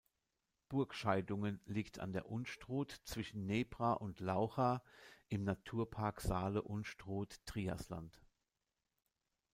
Burgscheidungen liegt an der Unstrut zwischen Nebra und Laucha im Naturpark Saale-Unstrut-Triasland.